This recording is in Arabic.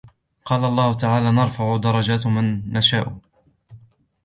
قَالَ اللَّهُ تَعَالَى نَرْفَعُ دَرَجَاتٍ مَنْ نَشَاءُ